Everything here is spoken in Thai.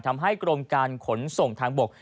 ทำให้กรมการขนส่งทางบก